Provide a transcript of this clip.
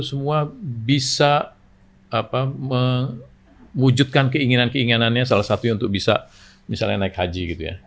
semua bisa mewujudkan keinginan keinginannya salah satunya untuk bisa misalnya naik haji gitu ya